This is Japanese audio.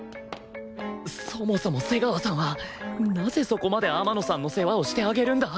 そもそも瀬川さんはなぜそこまで天野さんの世話をしてあげるんだ？